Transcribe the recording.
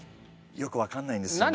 よく分かんないんですよね。